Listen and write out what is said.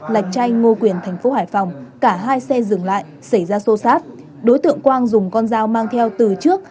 lạch trai ngo quyền thành phố hải phòng cả hai xe dừng lại xảy ra sô sát đối tượng quang dùng con dao mang theo từ trước